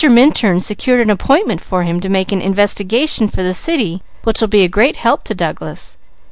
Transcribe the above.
Minturn secured an appointment for him to make an investigation for the city which will be a great help to Douglas.